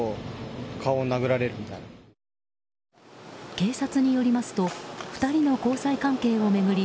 警察によりますと２人の交際関係を巡り